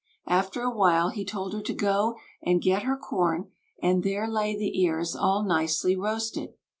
After a while he told her to go and get her corn, and there lay the ears all nicely roasted.